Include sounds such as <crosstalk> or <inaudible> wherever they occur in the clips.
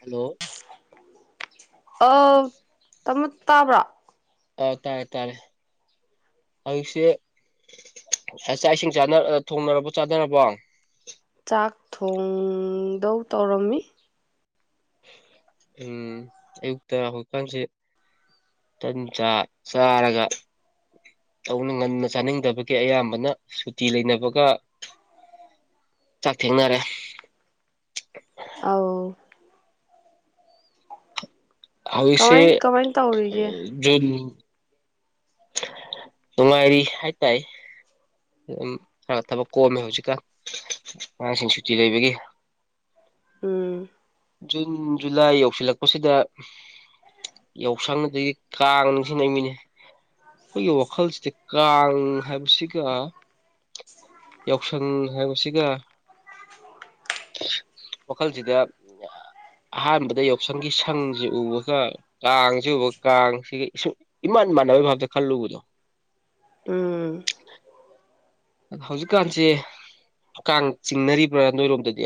hello ꯑ ꯇꯃꯣ ꯇꯥꯕ꯭ꯔꯣ ꯑꯥ ꯇꯥꯔꯦ ꯇꯥꯔꯦ ꯍꯧꯖꯤꯛꯁꯦ ꯆꯥ ꯆꯥꯛ ꯏꯁꯤꯡ ꯑ ꯊꯣꯡꯅꯔꯕꯣ ꯆꯥꯅꯔꯕꯣ ꯆꯥꯛ ꯊꯣꯡꯗꯧ ꯇꯧꯔꯝꯃꯤ ꯎꯝ ꯑꯌꯨꯛꯇ ꯍꯧꯖꯤꯛꯀꯥꯟꯁꯤ ꯇꯟ ꯆꯥ ꯆꯥꯔꯒ ꯇꯧꯅ ꯉꯟꯅ ꯆꯥꯅꯤꯡꯗꯕꯒꯤ ꯑꯌꯥꯝꯕꯅ ꯁꯨꯇꯤ ꯂꯩꯅꯕꯒ ꯆꯥꯛ ꯊꯦꯡꯅꯔꯦ ꯑꯥꯎ ꯍꯧꯖꯤꯛꯁꯦ ꯀꯃꯥꯏ ꯀꯃꯥꯏ ꯇꯧꯔꯤꯒꯦ ꯖꯨꯟ ꯅꯨꯡꯉꯥꯏꯔꯤ ꯍꯥꯏ ꯇꯥꯏ ꯑꯗꯨꯝ ꯈꯔ ꯊꯕꯛ ꯀꯣꯝꯃꯦ ꯍꯧꯖꯤꯛꯀꯥꯟ ꯑꯉꯥꯡꯁꯤꯡ ꯁꯨꯇꯤ ꯂꯩꯕꯒꯤ ꯎꯝ ꯖꯨꯟ ꯖꯨꯂꯥꯏ ꯌꯧꯁꯤꯜꯂꯛꯄꯁꯤꯗ ꯌꯥꯎꯁꯪ ꯑꯗꯒꯤ ꯀꯥꯡ ꯅꯤꯡꯁꯤꯡꯉꯛꯃꯤꯅꯦ ꯑꯩꯈꯣꯏꯒꯤ ꯋꯥꯈꯜꯁꯤ ꯀꯥꯡ ꯎꯝ ꯍꯥꯏꯕꯕꯁꯤꯒ ꯌꯥꯎꯁꯪ ꯍꯥꯏꯕꯁꯤꯒ ꯋꯥꯈꯜꯁꯤꯗ ꯑꯍꯥꯟꯕꯗ ꯌꯥꯎꯁꯪꯒꯤ ꯁꯪꯁꯤ ꯎꯕꯒ ꯀꯥꯡꯁꯤ ꯎꯕꯒ ꯀꯥꯡꯁꯤꯒ ꯏꯃꯥꯟ ꯃꯥꯟꯅꯕꯒꯤ ꯐꯥꯕꯇ ꯈꯜꯂꯨꯕꯗꯣ ꯎꯝ ꯍꯧꯖꯤꯛꯀꯥꯟꯁꯦ ꯀꯥꯡ ꯆꯤꯡꯅꯔꯤꯕ꯭ꯔꯥ ꯅꯣꯏꯔꯣꯝꯗꯗꯤ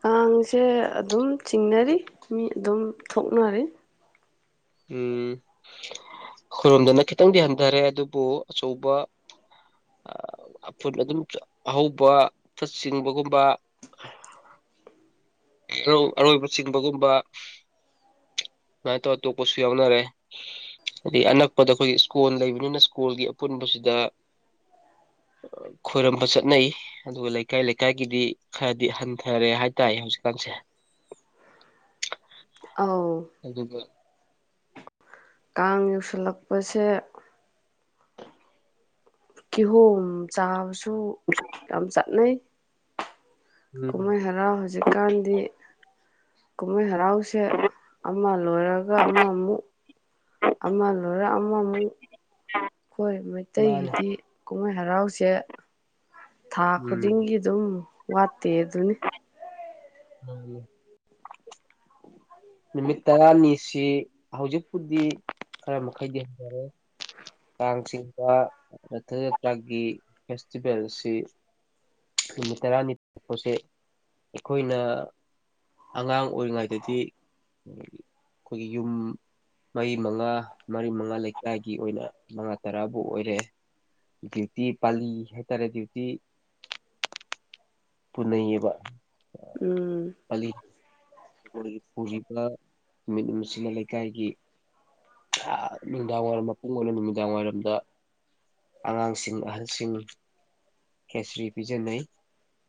ꯀꯥꯡꯁꯦ ꯑꯗꯨꯝ ꯆꯤꯡꯅꯔꯤ ꯃꯤ ꯑꯗꯨꯝ ꯊꯣꯛꯅꯔꯤ ꯎꯝ ꯈꯣꯏꯔꯣꯝꯗꯅ ꯈꯤꯇꯪꯗꯤ ꯍꯟꯊꯔꯦ ꯑꯗꯨꯕꯨ ꯑꯆꯧꯕ ꯑ ꯑꯐꯨꯠ ꯑꯗꯨꯝ ꯑꯍꯧꯕ ꯐꯠ ꯆꯤꯡꯕꯒꯨꯝꯕ ꯏꯔꯧ ꯑꯔꯣꯏꯕ ꯆꯤꯡꯕꯒꯨꯝꯕ ꯁꯃꯥꯏꯅ ꯇꯧꯔ ꯇꯣꯛꯄꯁꯨ ꯌꯥꯎꯅꯔꯦ ꯗꯤ ꯑꯅꯛꯄꯗ ꯑꯩꯈꯣꯏꯒꯤ ꯁ꯭ꯀꯣꯟ ꯂꯩꯕꯅꯤꯅ ꯁ꯭ꯀꯣꯜꯒꯤ ꯑꯄꯨꯟꯕꯁꯤꯗ ꯑ ꯈꯣꯏꯔꯝꯕ ꯆꯠꯅꯩ ꯑꯗꯨꯒ ꯂꯩꯀꯥꯏ ꯂꯩꯀꯥꯏꯒꯤꯗꯤ ꯈꯔꯗꯤ ꯍꯟꯊꯔꯦ ꯍꯥꯏ ꯇꯔꯦ ꯍꯧꯖꯤꯛ ꯀꯥꯟꯁꯦ ꯑꯥꯎ ꯀꯥꯡ ꯌꯧꯁꯜꯂꯛꯄꯁꯦ ꯀꯤꯍꯣꯝ ꯆꯥꯕꯁꯨ ꯌꯥꯝ ꯆꯠꯅꯩ ꯎꯝ ꯀꯨꯝꯍꯩ ꯍꯔꯥꯎ ꯍꯧꯖꯤꯛꯀꯥꯟꯗꯤ ꯀꯨꯝꯃꯩ ꯍꯔ ꯍꯔꯥꯎꯁꯦ ꯑꯃ ꯂꯣꯏꯔꯒ ꯑꯃꯃꯨꯛ ꯑꯃ ꯂꯣꯏꯔ ꯑꯃꯃꯨꯛ ꯃꯨꯛ ꯈꯣꯏ ꯃꯥꯅꯦ ꯃꯩꯇꯩꯒꯤꯗꯤ ꯀꯨꯝꯍꯩ ꯍꯔꯥꯎꯁꯦ ꯊꯥ ꯎꯝ ꯈꯨꯗꯤꯡꯒꯤ ꯑꯗꯨꯝ ꯋꯥꯠ ꯇꯦ ꯑꯗꯨꯅꯤ ꯎꯝ ꯅꯨꯃꯤꯠ ꯇꯔꯥꯅꯤꯁꯤ ꯍꯧꯖꯤꯛꯄꯨꯗꯤ ꯈꯔ ꯃꯈꯩꯗꯤ ꯍꯟꯗꯔꯦ ꯀꯥꯡ ꯆꯤꯡꯕ ꯔꯊ ꯌꯥꯇ꯭ꯔꯥꯒꯤ ꯐꯦꯁꯇꯤꯚꯦꯜꯁꯤ ꯅꯨꯃꯤꯠ ꯇꯔꯥꯅꯤ ꯊꯣꯛꯄꯁꯦ ꯑꯩꯈꯣꯏꯅ ꯑꯉꯥꯡ ꯑꯣꯏꯔꯤꯉꯩꯗꯗꯤ ꯑꯩꯈꯣꯏꯒꯤ ꯌꯨꯝ ꯃꯔꯤ ꯃꯉꯥ ꯃꯔꯤ ꯃꯉꯥ ꯂꯩꯀꯥꯏꯒꯤ ꯑꯣꯏꯅ ꯃꯉꯥ ꯇꯔꯥꯕꯨ ꯑꯣꯏꯔꯦ ꯗ꯭ꯌꯨꯇꯤ ꯄꯥꯜꯂꯤ ꯍꯥꯏꯇꯥꯔꯦ ꯗ꯭ꯌꯨꯇꯤ ꯄꯨꯅꯩꯌꯦꯕ ꯎꯝ ꯑꯂꯤ ꯄꯨꯔꯤ ꯄꯨꯔꯤꯕ ꯅꯨꯃꯤꯠ ꯅꯨꯡꯁꯤꯅ ꯂꯩꯀꯥꯏꯒꯤ ꯅꯨꯃꯤꯗꯥꯡ ꯋꯥꯏꯔꯝ ꯃꯄꯨꯡ ꯑꯣꯏꯅ ꯅꯨꯃꯤꯗꯥꯡ ꯋꯥꯏꯔꯝꯗ ꯑꯉꯥꯡꯁꯤꯡ ꯑꯍꯜꯁꯤꯡ ꯈꯦꯁ꯭ꯔꯤ ꯄꯤꯖꯅꯩ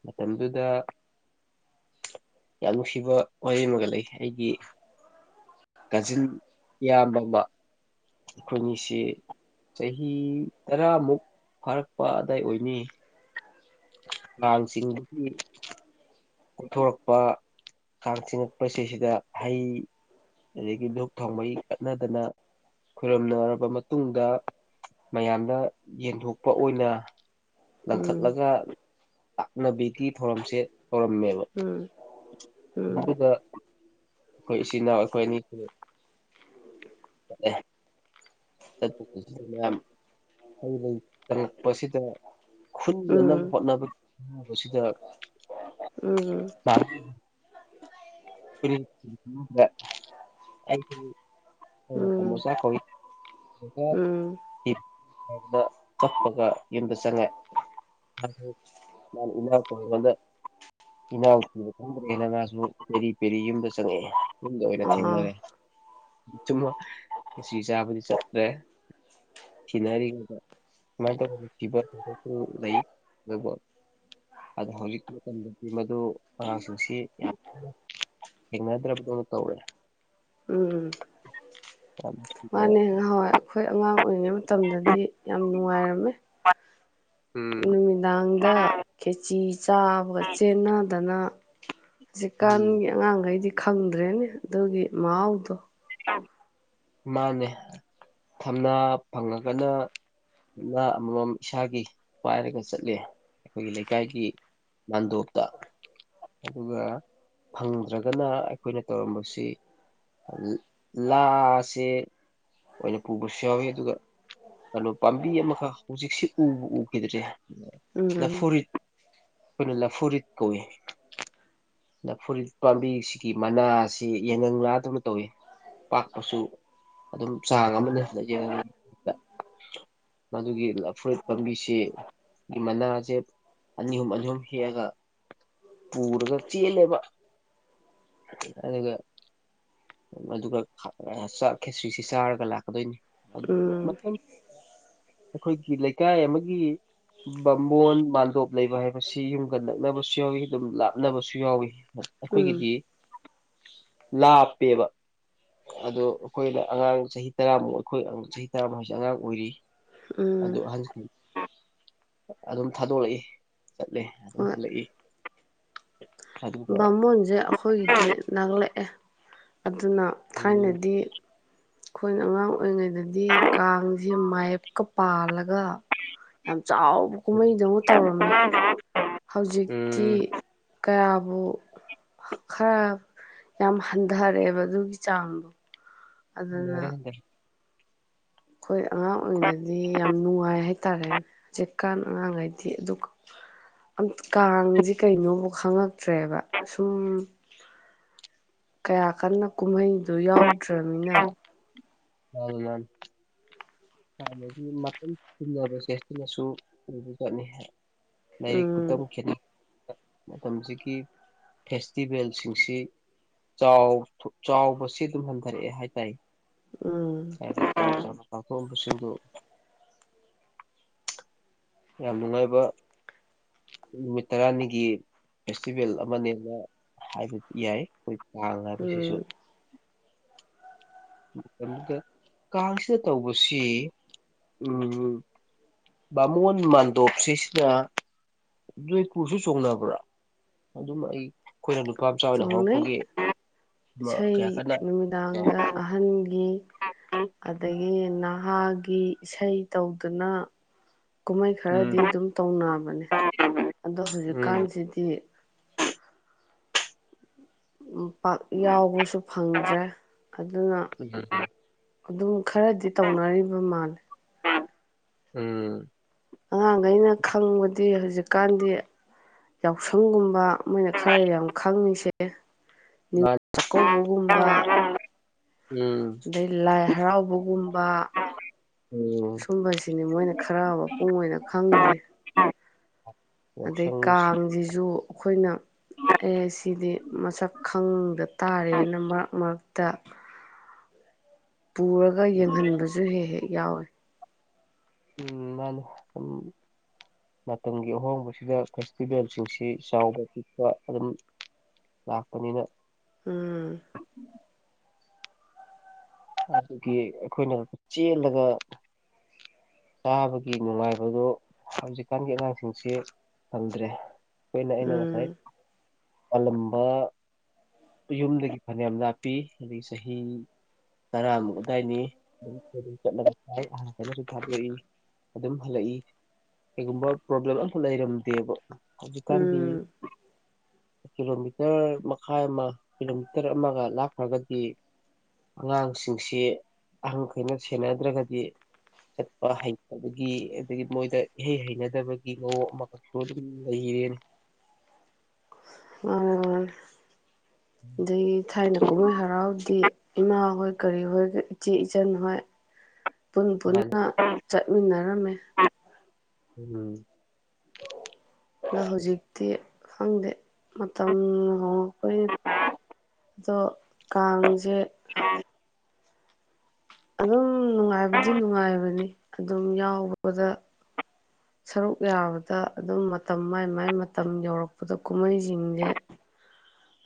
ꯃꯇꯝꯗꯨꯗ ꯌꯥꯝ ꯅꯨꯡꯁꯤꯕ ꯋꯥꯔꯦꯝ ꯃꯒ ꯂꯩ ꯑꯩꯒꯤ ꯀꯖꯤꯟ ꯏꯌꯥꯝꯕ ꯑꯃ ꯑꯩꯈꯣꯏꯅꯤꯁꯤ ꯆꯍꯤ ꯇꯔꯥꯃꯨꯛ ꯐꯥꯔꯛꯄ ꯑꯗ꯭ꯋꯥꯏ ꯑꯣꯏꯅꯤ ꯑꯉꯥꯡꯁꯤꯡꯗꯨꯒꯤ ꯀꯣꯛꯊꯣꯔꯛꯄ ꯀꯥꯡ ꯆꯤꯉꯛꯄꯁꯤ ꯁꯤꯗ ꯍꯩ ꯑꯗꯒꯤ ꯘꯨꯞ ꯊꯥꯎꯃꯩ ꯀꯠꯅꯗꯅ ꯈꯔꯨꯝꯅꯔꯕ ꯃꯇꯨꯡꯗ ꯃꯌꯥꯝꯗ ꯌꯦꯟꯊꯣꯛꯄ ꯑꯣꯏꯅ ꯎꯝ ꯂꯪꯈꯠꯂꯒ ꯂꯥꯛꯅꯕꯤꯒꯤ ꯊꯧꯔꯝꯁꯦ ꯇꯧꯔꯝꯃꯦꯕ ꯎꯝ ꯎꯝ ꯑꯗꯨꯒ ꯑꯩꯈꯣꯏ ꯏꯆꯤꯟ ꯏꯅꯥꯎ ꯑꯩꯈꯣꯏ ꯑꯅꯤꯁꯤ ꯑꯟꯏꯟꯇꯦꯜꯂꯤꯖꯦꯕꯜ ꯈꯨꯟꯅꯅꯕ ꯍꯣꯠꯅꯕ ꯍꯣꯠꯅꯕꯁꯤꯗ ꯎꯝ ꯎꯝ ꯎꯝ ꯎꯝ ꯑꯟꯏꯟꯇꯦꯜꯂꯤꯖꯦꯕꯜ ꯄꯦꯔꯤ ꯌꯨꯝꯗ ꯆꯪꯉꯛꯑꯦ ꯃꯨꯡꯗ ꯑꯣꯏꯅ ꯑꯥ ꯊꯦꯝꯅꯔꯦ ꯆꯨꯝꯃ ꯀꯁꯤ ꯆꯥꯕꯗꯤ ꯆꯠꯇ꯭ꯔꯦ ꯊꯤꯅꯔꯤꯉꯩꯗ ꯁꯨꯃꯥꯏꯅ ꯇꯧꯅ ꯊꯤꯕ ꯊꯕꯁꯨ ꯂꯩ ꯑꯗꯨꯒ ꯑꯗ ꯍꯧꯖꯤꯛ ꯃꯇꯝꯗꯗꯤ ꯃꯗꯨ ꯑꯉꯥꯡꯁꯤꯡꯁꯤ ꯌꯥꯝ ꯑꯟꯑꯣꯗꯤꯕꯜ ꯊꯦꯡꯅꯗ꯭ꯔꯕ ꯗꯧꯅꯇꯧꯔꯦ ꯎꯝ ꯊꯤꯅ ꯃꯥꯅꯦ ꯉꯍꯥꯟꯋꯥꯏ ꯑꯩꯈꯣꯏ ꯑꯉꯥꯡ ꯑꯣꯏꯔꯤꯉꯩ ꯃꯇꯝꯗꯗꯤ ꯌꯥꯝ ꯅꯨꯡꯉꯥꯏꯔꯝꯃꯦ ꯎꯝ ꯅꯨꯃꯤꯗꯥꯡꯗ ꯈꯦꯆꯤ ꯆꯥꯕꯒ ꯆꯦꯟꯅꯗꯅ ꯑ ꯑꯟꯑꯣꯗꯤꯕꯜ ꯎꯝ ꯍꯧꯖꯤꯛꯀꯥꯟꯒꯤ ꯑꯉꯥꯡꯒꯩꯗꯤ ꯈꯪꯗ꯭ꯔꯦꯅꯦ ꯑꯗꯨꯒꯤ ꯃꯍꯥꯎꯗꯣ ꯃꯥꯅꯦ ꯊꯝꯅꯥ ꯐꯪꯉꯒꯅ ꯑꯃꯃꯝ ꯏꯁꯥꯒꯤ ꯄꯥꯏꯔꯒ ꯆꯠꯂꯦ ꯑꯩꯈꯣꯏꯒꯤ ꯂꯩꯀꯥꯏꯒꯤ ꯃꯥꯟꯗꯣꯞꯇ ꯑꯗꯨꯒ ꯐꯪꯗ꯭ꯔꯒꯅ ꯑꯩꯈꯣꯏꯅ ꯇꯧꯔꯝꯕꯁꯤ ꯂ ꯂꯥꯁꯦ ꯑꯣꯏꯅ ꯄꯨꯕꯁꯨ ꯌꯥꯎꯋꯤ ꯑꯗꯨꯒ ꯀꯩꯅꯣ ꯄꯥꯝꯕꯤ ꯑꯃꯈꯛ ꯍꯧꯖꯤꯛꯁꯤ ꯎꯕꯨ ꯎꯈꯤꯗ꯭ꯔꯦ ꯎꯝ ꯑꯈꯣꯏꯅ ꯂꯐꯨꯔꯤꯠ ꯀꯧꯏ ꯐꯨꯔꯤꯠ ꯄꯥꯝꯕꯤꯁꯤꯒꯤ ꯃꯅꯥꯁꯤ ꯌꯦꯡꯉꯪ ꯂꯥ ꯗꯧꯅ ꯇꯧꯏ ꯄꯥꯛꯄꯁꯨ ꯑꯗꯨꯝ ꯆꯥꯡ ꯑꯃꯅ ꯌꯦꯡꯉ ꯃꯗꯨꯒꯤ ꯂꯐꯨꯔꯤꯠ ꯄꯥꯝꯕꯤꯁꯤ ꯒꯤ ꯃꯅꯥꯁꯦ ꯑꯅꯤ ꯑꯍꯨꯝ ꯑꯅꯤ ꯑꯍꯨꯝ ꯍꯦꯛꯑꯒ ꯄꯨꯔꯒ ꯆꯦꯜꯂꯦꯕ ꯑꯗꯨꯒ ꯑꯗꯨꯒ ꯈ ꯑ ꯆꯥꯛ ꯈꯦꯁ꯭ꯔꯤꯁꯤ ꯆꯥꯔꯒ ꯂꯥꯛꯀꯗꯣꯏꯅꯤ ꯎꯝ ꯃꯐꯝ ꯑꯩꯈꯣꯏꯒꯤ ꯂꯩꯀꯥꯏ ꯑꯃꯒꯤ ꯕꯥꯝꯃꯣꯟ ꯃꯥꯟꯗꯣꯞ ꯂꯩꯕ ꯍꯥꯏꯕꯁꯤ ꯌꯨꯝꯒ ꯅꯛꯅꯕꯁꯨ ꯌꯥꯎꯏ ꯑꯗꯨꯝ ꯂꯥꯞꯅꯕꯁꯨ ꯁꯨ ꯌꯥꯎꯏ ꯎꯝ ꯑꯩꯈꯣꯏꯒꯤꯗꯤ ꯂꯥꯞꯄꯦꯕ ꯑꯗꯨ ꯑꯩꯈꯣꯏꯅ ꯑꯉꯥꯡ ꯆꯍꯤ ꯇꯔꯥꯃꯨꯛ ꯑꯩꯈꯣꯏ ꯆꯍꯤ ꯇꯔꯥꯃꯨꯛꯁꯦ ꯑꯉꯥꯡ ꯑꯣꯏꯔꯤ ꯎꯝ ꯑꯗꯨ ꯑꯍꯟꯁꯤꯡ ꯑꯗꯨꯝ ꯊꯥꯗꯣꯛꯂꯛꯏ ꯆꯠꯂꯦ ꯑꯗꯨꯝ ꯍꯣꯏ ꯍꯜꯂꯛꯏ ꯑꯗꯨꯒ ꯕꯥꯃꯣꯟꯁꯦ ꯑꯩꯈꯣꯏꯒꯤꯗꯤ ꯅꯛꯂꯛꯑꯦ ꯑꯗꯨꯅ ꯎꯝ ꯊꯥꯏꯅꯗꯤ ꯑꯩꯈꯣꯏꯅ ꯑꯉꯥꯡ ꯑꯣꯏꯔꯤꯉꯩꯗꯗꯤ ꯀꯥꯡꯁꯦ ꯃꯥꯏꯞꯀ ꯄꯥꯜꯂꯒ ꯌꯥꯝ ꯆꯥꯎꯕ ꯀꯨꯝꯍꯩꯗꯧꯅ ꯇꯧꯔꯝꯃꯦ ꯍꯧꯖꯤꯛꯇꯤ ꯎꯝ ꯀꯌꯥꯕꯨ ꯈꯔ ꯌꯥꯝ ꯍꯟꯊꯔꯛꯑꯦꯕ ꯑꯗꯨꯒꯤ ꯆꯥꯡꯗꯣ ꯑꯗꯨꯅ ꯌꯥꯗꯔꯦ ꯌꯥꯗꯔꯦ ꯑꯩꯈꯣꯏ ꯑꯉꯥꯡ ꯑꯣꯏꯔꯤꯉꯩꯗꯗꯤ ꯌꯥꯝ ꯅꯨꯡꯉꯥꯏ ꯍꯥꯏ ꯍꯥꯏꯇꯥꯔꯦꯅꯦ ꯍꯧꯖꯤꯛꯀꯥꯟ ꯑꯉꯥꯡꯒꯩꯗꯤ ꯑꯗꯨ ꯑꯝ ꯀꯥꯡꯁꯤ ꯀꯩꯅꯣꯕꯨ ꯈꯉꯛꯇ꯭ꯔꯦꯕ ꯁꯨꯝ ꯀꯌꯥ ꯀꯟꯅ ꯀꯨꯝꯍꯩ ꯑꯗꯨ ꯌꯥꯎꯗ꯭ꯔꯃꯤꯅ ꯑꯣ ꯃꯥꯅꯤ ꯍꯥꯟꯗꯒꯤ ꯃꯇꯝ ꯆꯤꯡꯟꯅꯕꯁꯦ ꯁꯤꯅꯁꯨ ꯑꯣꯏꯕ ꯖꯥꯠꯅꯤ ꯂꯥꯏꯔꯤꯛ ꯈꯨꯇꯝ ꯎꯝ ꯈꯦꯅꯩ ꯃꯇꯝꯁꯤꯒꯤ ꯐꯦꯁꯇꯤꯚꯦꯜꯁꯤꯡꯁꯤ ꯆꯥꯎ ꯆꯥꯎꯕꯁꯤ ꯑꯗꯨꯝ ꯍꯟꯊꯔꯛꯑꯦ ꯍꯥꯏ ꯇꯥꯏ ꯎꯝ <unintelligible> ꯀ ꯁꯤꯗꯨ ꯌꯥꯝ ꯅꯨꯡꯉꯥꯏꯕ ꯅꯨꯃꯤꯠ ꯇꯔꯥꯅꯤꯒꯤ ꯐꯦꯁꯇꯤꯚꯦꯜ ꯑꯃꯅꯦꯅ ꯍꯥꯏꯕꯗꯤ ꯌꯥꯏ ꯑꯩꯈꯣꯏ ꯃꯥꯜꯂꯕ ꯑꯁꯤꯁꯨ ꯎꯝ ꯑꯗꯨꯗ ꯀꯥꯡꯁꯤꯗ ꯇꯧꯕꯁꯤ ꯎꯝ ꯕꯥꯃꯣꯟ ꯃꯥꯟꯗꯣꯞꯁꯤꯁꯤꯅ ꯖꯣꯏꯄꯨꯔꯁꯨ ꯆꯣꯡꯅꯕ꯭ꯔꯥ ꯑꯗꯨꯝ ꯑꯩ ꯑꯩꯈꯣꯏꯅ ꯅꯨꯄꯥ ꯃꯆꯥ ꯑꯣꯏꯅ ꯆꯣꯡꯅꯩ ꯍꯧꯔꯛꯄꯒꯤ ꯏꯁꯩ ꯀꯌꯥ ꯀꯟꯅ ꯅꯨꯃꯤꯗꯥꯡꯗ ꯑꯍꯟꯒꯤ ꯑꯗꯩꯩ ꯅꯍꯥꯒꯤ ꯏꯁꯩ ꯇꯧꯗꯅ ꯀꯨꯝꯍꯩ ꯈꯔꯗꯤ ꯎꯝ ꯑꯗꯨꯝ ꯇꯧꯅꯕꯅꯦ ꯑꯗꯣ ꯎꯝ ꯍꯧꯖꯤꯛꯀꯥꯟꯁꯤꯗꯤ ꯎꯝ ꯄꯥꯛ ꯌꯥꯎꯕꯁꯨ ꯐꯪꯗ꯭ꯔꯦ ꯑꯗꯨꯅ ꯎꯝ ꯑꯗꯨꯝ ꯈꯔꯗꯤ ꯇꯧꯅꯔꯤꯕ ꯃꯥꯜꯂꯦ ꯎꯝ ꯑꯉꯥꯡꯈꯩꯅ ꯈꯪꯕꯗꯤ ꯍꯧꯖꯤꯛꯀꯥꯟꯗꯤ ꯌꯥꯎꯁꯪꯒꯨꯝꯕ ꯃꯣꯏꯅ ꯈꯔ ꯌꯥꯝ ꯈꯪꯉꯤꯁꯦ ꯃꯥ ꯅꯤꯉꯣꯜ ꯆꯥꯛꯀꯧꯕꯒꯨꯝꯕ ꯎꯝ ꯑꯗꯩ ꯂꯥꯏ ꯍꯔꯥꯎꯕꯒꯨꯝ ꯕ ꯎꯝ ꯁꯨꯝꯕꯁꯤꯅꯤ ꯃꯣꯏꯅ ꯈꯔ ꯃꯄꯨꯡ ꯑꯣꯏꯅ ꯈꯪꯉꯤꯁꯦ ꯑꯗꯩ ꯌꯥꯎꯁꯪꯁꯤ ꯀꯥꯡꯁꯤꯁꯨ ꯑꯩꯈꯣꯏꯅ ꯑꯦ ꯁꯤꯗꯤ ꯃꯁꯛ ꯈꯪꯗ ꯇꯥꯔꯦꯅ ꯃꯔꯛ ꯃꯔꯛꯇ ꯄꯨꯔꯒ ꯎꯝ ꯌꯦꯡꯍꯟꯕꯁꯨ ꯍꯦꯛ ꯍꯦꯛ ꯌꯥꯎꯋꯤ ꯃꯥꯅꯤ ꯁꯨꯝ ꯃꯇꯝꯒꯤ ꯑꯍꯣꯡꯕꯁꯤꯗ ꯐꯦꯁꯇꯤꯚꯦꯜꯁꯤꯡꯁꯤ ꯆꯥꯎꯕ ꯄꯤꯛꯄ ꯑꯗꯨꯝ ꯂꯥꯛꯄꯅꯤꯅ ꯎꯝ ꯑꯗꯨꯒꯤ ꯑꯩꯈꯣꯏꯅ ꯆꯦꯜꯂꯒ ꯆꯥꯕꯒꯤ ꯅꯨꯡꯉꯥꯏꯕꯗꯣ ꯍꯧꯖꯤꯛꯀꯥꯟꯒꯤ ꯑꯉꯥꯡꯁꯤꯡꯁꯤ ꯐꯪꯗ꯭ꯔꯦ ꯑꯩꯈꯣꯏꯅ ꯑꯩꯅ ꯉꯁꯥꯏ ꯎꯝ ꯄꯥꯜꯂꯝꯕ ꯌꯨꯝꯗꯒꯤ ꯐꯅꯌꯥꯝ ꯂꯞꯄꯤ ꯑꯗꯒꯤ ꯆꯍꯤ ꯇꯔꯥꯃꯨꯛ ꯑꯗꯥꯏꯅꯤ ꯑꯗꯨꯝ ꯆꯠꯂꯤ ꯆꯠꯂꯒ ꯂꯥꯛꯏ ꯑꯍꯜꯒꯩꯅꯁꯨ ꯊꯥꯗꯣꯛꯏ ꯑꯗꯨꯝ ꯍꯜꯂꯛꯏ ꯀꯩꯒꯨꯝꯕ ꯄ꯭ꯔꯣꯕ꯭ꯂꯦꯝ ꯑꯝꯇ ꯂꯩꯔꯝꯗꯦꯕ ꯍꯧꯖꯤꯛꯀꯥꯟꯗꯤ ꯎꯝ ꯀꯤꯂꯣꯃꯤꯇꯔ ꯃꯈꯥꯏ ꯑꯃ ꯀꯤꯂꯣꯃꯤꯇꯔ ꯑꯃꯒ ꯂꯥꯞꯈ꯭ꯔꯒꯗꯤ ꯑꯉꯥꯡꯁꯤꯡꯁꯤ ꯑꯍꯟꯈꯩꯅ ꯁꯦꯟꯅꯗ꯭ꯔꯒꯗꯤ ꯆꯠꯄ ꯍꯩꯇꯕꯒꯤ ꯑꯗꯒꯤ ꯃꯣꯏꯗ ꯏꯍꯩ ꯍꯩꯅꯗꯕꯒꯤ ꯃꯑꯣꯡ ꯑꯃꯈꯛꯁꯨ ꯑꯗꯨꯝ ꯂꯩꯌꯦ ꯃꯥꯅꯦ ꯃꯥꯅꯦ ꯑꯗꯒꯤ ꯊꯥꯏꯅ ꯀꯨꯝꯃꯩ ꯍꯔꯥꯎꯗꯤ ꯏꯃꯥ ꯍꯣꯏ ꯀꯔꯤ ꯍꯣꯏꯒ ꯏꯆꯦ ꯏꯆꯟ ꯍꯣꯏ ꯄꯨꯟ ꯃꯥꯅꯤ ꯄꯨꯟꯅ ꯆꯠꯃꯤꯟꯅꯔꯝꯃꯦ ꯎꯝ ꯅ ꯍꯧꯖꯤꯛꯇꯤ ꯈꯪꯗꯦ ꯃꯇꯝ ꯍꯣꯡꯉꯛ ꯄꯒꯤ ꯑꯗꯣ ꯀꯥꯡꯖꯦ <unintelligible> ꯑꯗꯨꯝ ꯅꯨꯡꯉꯥꯏꯕꯗꯤ ꯅꯨꯡꯉꯥꯏꯕꯅꯤ ꯑꯗꯨꯝ ꯌꯥꯎꯕꯗ ꯁꯔꯨꯛ ꯌꯥꯕꯗ ꯑꯗꯨꯝ ꯃꯇꯝ ꯃꯥꯏ ꯃꯥꯏ ꯃꯇꯝ ꯌꯧꯔꯛꯄꯗ ꯀꯨꯝꯃꯩꯖꯤꯡꯖꯦ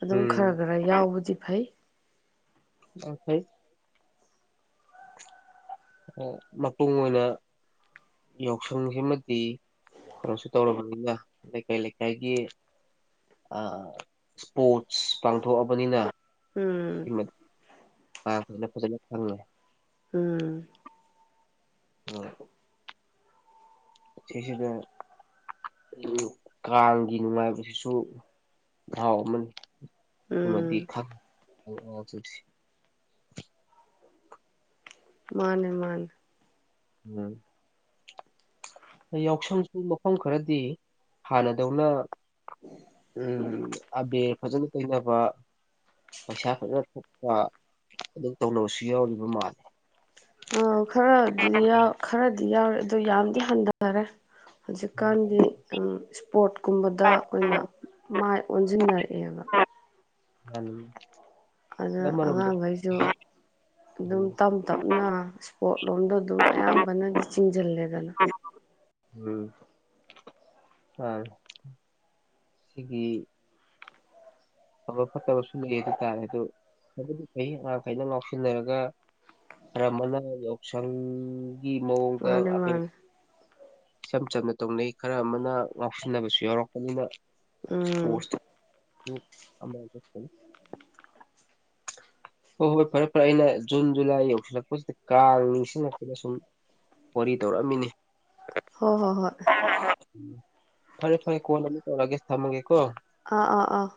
ꯑꯗꯨꯝ ꯈꯔ ꯎꯝ ꯈꯔ ꯌꯥꯎꯕꯗꯤ ꯐꯩ ꯑꯣ ꯈꯦ ꯑ ꯃꯄꯨꯡ ꯑꯣꯏꯅ ꯌꯥꯎꯁꯪ ꯁꯤꯃꯗꯤ ꯀꯩꯅꯣꯁꯨ ꯇꯧꯔꯕꯅꯤꯅ ꯂꯩꯀꯥꯏ ꯂꯩꯀꯥꯏꯒꯤ ꯑ ꯏꯁꯄꯣꯔꯠꯁ ꯄꯥꯡꯊꯣꯛꯑꯕꯅꯤꯅ ꯎꯝ ꯄꯥꯡꯊꯣꯛꯑꯕꯅꯤꯅ ꯐꯖꯅ ꯈꯪꯉꯦ ꯎꯝ ꯎꯝ ꯁꯤꯁꯤꯗ ꯑꯌꯨꯛ ꯑꯌꯨꯛ ꯀꯥꯡꯒꯤ ꯅꯨꯡꯉꯥꯏꯕꯁꯤꯁꯨ ꯃꯍꯥꯎ ꯑꯃꯅꯤ ꯁꯤꯃꯗꯤ ꯎꯝ ꯈꯪ ꯗ꯭ꯔꯦ ꯑꯉꯥꯡꯁꯤꯡꯁꯦ ꯃꯥꯅꯦ ꯃꯥꯅꯦ ꯎꯝ ꯌꯥꯎꯁꯪꯁꯨ ꯃꯐꯝ ꯈꯔꯗꯤ ꯍꯥꯟꯅꯗꯧꯅ ꯎꯝ ꯑꯕꯦꯔ ꯐꯖꯅ ꯇꯩꯅꯕ ꯄꯩꯁꯥ ꯐꯖꯅ ꯊꯠꯄ ꯑꯗꯨꯝ ꯇꯧꯅꯕꯁꯨ ꯌꯥꯎꯔꯤꯕ ꯃꯥꯜꯂꯦ ꯗꯤ ꯌꯥꯎꯔꯤ ꯑꯗꯨ ꯌꯥꯝꯗꯤ ꯍꯟꯗꯅꯔꯦ ꯍꯧꯖꯤꯛꯀꯥꯟꯗꯤ ꯎꯝ ꯏꯁ ꯄꯣꯠ ꯀꯨꯝꯕꯗ ꯑꯣꯏꯅ ꯃꯥꯏ ꯑꯣꯟꯖꯤꯟꯅꯔꯦ ꯀꯩ ꯍꯥꯏꯕ ꯃꯥꯅꯤ ꯑꯗꯨꯗ ꯑꯉꯥꯡꯈꯩꯁꯨ ꯑꯗꯨꯝ ꯎꯝ ꯇꯞ ꯇꯞꯅ <unintelligible> ꯑꯗꯨꯝ ꯑꯌꯥꯝꯕꯅꯗꯤ ꯆꯤꯡꯁꯤꯜꯂꯦꯗꯅ ꯎꯝ ꯑ ꯁꯤꯒꯤ ꯑꯐꯕ ꯐꯠꯇꯕꯁꯨ ꯌꯦꯡ ꯇꯥꯔꯦ ꯑꯗꯨ ꯑꯉꯥꯡꯈꯩꯅ ꯂꯥꯎꯁꯤꯟꯅꯔꯒ ꯈꯔ ꯑꯃꯅ ꯌꯥꯎꯁꯪ ꯒꯤ ꯃꯑꯣꯡꯗ ꯃꯥꯅꯦ ꯑꯕꯦꯔ ꯃꯥꯅꯦ ꯏꯆꯝ ꯆꯝꯅ ꯇꯧꯅꯩ ꯈꯔ ꯑꯃꯅ ꯉꯥꯎꯁꯤꯟꯅꯕꯁꯨ ꯌꯥꯎꯔꯛꯄꯅꯤꯅ ꯎꯝ ꯏꯁꯄꯣꯔꯠꯁꯇꯨ ꯍꯣꯏ ꯍꯣꯏ ꯐꯔꯦ ꯐꯔꯦ ꯑꯩꯅ ꯖꯨꯟ ꯖꯨꯂꯥꯏ ꯌꯧꯁꯤꯜꯂꯛꯄꯁꯤꯗ ꯀꯥꯡ ꯅꯤꯡꯁꯤꯡꯂꯛꯇꯅ ꯁꯨꯝ ꯋꯥꯔꯤ ꯇꯧꯔꯛꯑꯃꯤꯅꯤ ꯍꯣ ꯍꯣ ꯍꯣꯏ ꯎ ꯐꯔꯦ ꯐꯔꯦ ꯀꯣꯟ ꯑꯃꯨꯛ ꯇꯧꯔꯒꯦ ꯊꯝꯃꯒꯦꯀꯣ ꯑꯥ ꯑꯥ ꯑꯥ